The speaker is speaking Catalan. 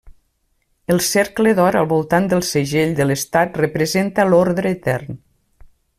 El cercle d'or al voltant del segell de l'estat representa l'ordre etern.